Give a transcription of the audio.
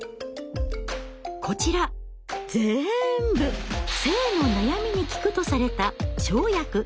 こちらぜんぶ性の悩みに効くとされた「生薬」。